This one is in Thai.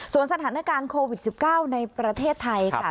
สถานการณ์โควิด๑๙ในประเทศไทยค่ะ